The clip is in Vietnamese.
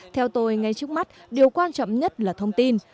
theo tôi ngay trước mắt điều quan trọng nhất là thông tin